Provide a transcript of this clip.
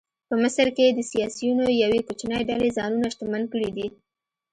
په مصر کې د سیاسیونو یوې کوچنۍ ډلې ځانونه شتمن کړي دي.